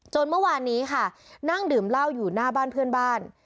เมื่อวานนี้ค่ะนั่งดื่มเหล้าอยู่หน้าบ้านเพื่อนบ้าน